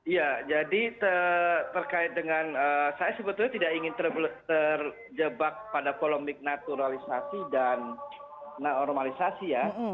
ya jadi terkait dengan saya sebetulnya tidak ingin terjebak pada polemik naturalisasi dan normalisasi ya